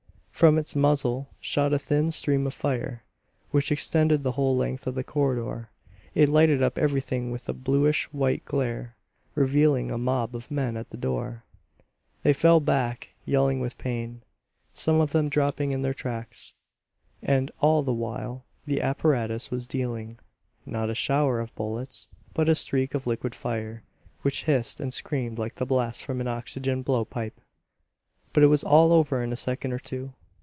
From its muzzle shot a thin stream of fire, which extended the whole length of the corridor. It lighted up everything with a bluish white glare, revealing a mob of men at the door. They fell back, yelling with pain, some of them dropping in their tracks. And all the while the apparatus was dealing, not a shower of bullets, but a streak of liquid fire, which hissed and screamed like the blast from an oxygen blow pipe. But it was all over in a second or two.